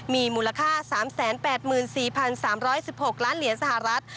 มีมูลค่า๓๘๔๓๑๖ล้านเหรียญสหรัฐ